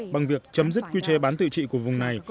bằng việc chấm dứt quy chế bán tự trị của vùng này